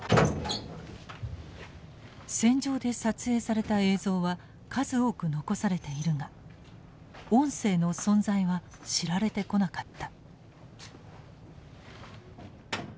戦場で撮影された映像は数多く残されているが音声の存在は知られてこなかった。